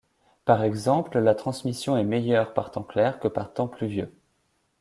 Par exemple la transmission est meilleure par temps clair que par temps pluvieux.